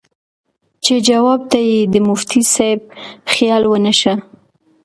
چې جواب ته ئې د مفتي صېب خيال ونۀ شۀ